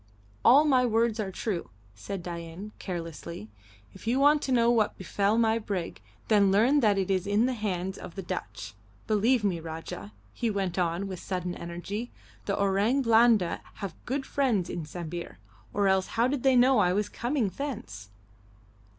"All my words are true," said Dain, carelessly. "If you want to know what befell my brig, then learn that it is in the hands of the Dutch. Believe me, Rajah," he went on, with sudden energy, "the Orang Blanda have good friends in Sambir, or else how did they know I was coming thence?"